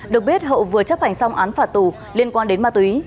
được biết hậu vừa chấp hành xong án phạt tù liên quan đến ma túy